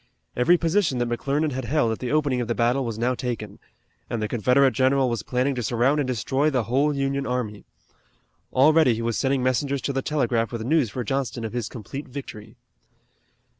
Every position that McClernand had held at the opening of the battle was now taken, and the Confederate general was planning to surround and destroy the whole Union army. Already he was sending messengers to the telegraph with news for Johnston of his complete victory.